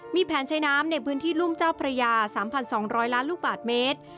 มีแผนใช้น้ำในพื้นที่รุ่มเจ้าพระยา๓๒๐๐ล้านลูกบาทเมตร